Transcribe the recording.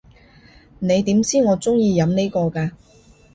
你點知我中意飲呢個㗎？